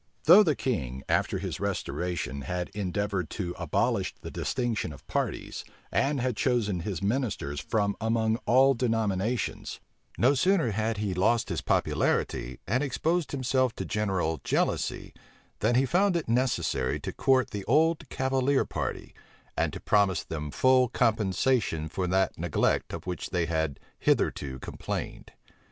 Though the king, after his restoration, had endeavored to abolish the distinction of parties, and had chosen his ministers from among all denominations, no sooner had he lost his popularity, and exposed himself to general jealousy, than he found it necessary to court the old cavalier party, and to promise them full compensation for that neglect of which they had hitherto complained.